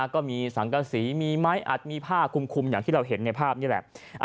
ก็มีสังกษีมีไม้อัดมีผ้าคุมอย่างที่เราเห็นในภาพนี่แหละ